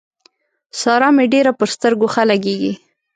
سارا مې ډېره پر سترګو ښه لګېږي.